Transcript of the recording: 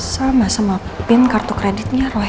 sama sama pin kartu kreditnya royal